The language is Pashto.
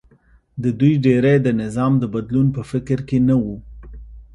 د دوی ډېری د نظام د بدلون په فکر کې نه و